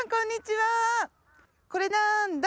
これなんだ？